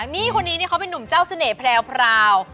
นี่คนนี้เขาเป็นนุ่มเจ้าเสน่ห์แพรว